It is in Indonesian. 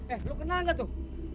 eh lu kenal gak tuh